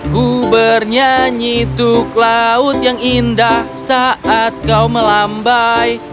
ku bernyanyi tuk laut yang indah saat kau melambai